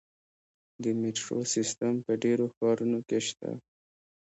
د میټرو سیستم په ډیرو ښارونو کې شته.